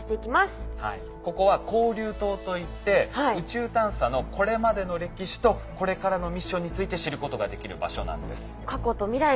ここは交流棟といって宇宙探査のこれまでの歴史とこれからのミッションについて知ることができる場所なんです。